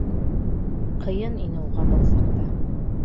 Ҡыйын ине уға был саҡта.